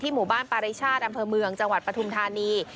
หมู่บ้านปาริชาติอำเภอเมืองจังหวัดปฐุมธานี